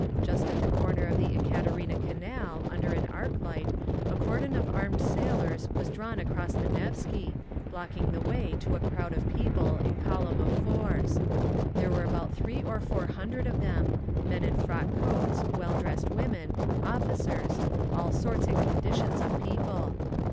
Just at the corner of the Ekaterina Canal, under an arc light, a cordon of armed sailors was drawn across the Nevsky, blocking the way to a crowd of people in column of fours. There were about three or four hundred of them, men in frock coats, well dressed women, officers—all sorts and conditions of people.